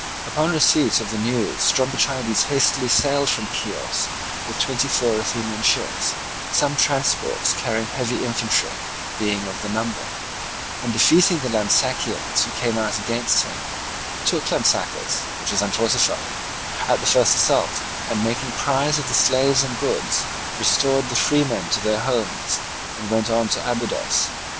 Upon receipt of this news Strombichides hastily sailed from Chios with twenty four Athenian ships, some transports carrying heavy infantry being of the number, and defeating the Lampsacenes who came out against him, took Lampsacus, which was unfortified, at the first assault, and making prize of the slaves and goods restored the freemen to their homes, and went on to Abydos.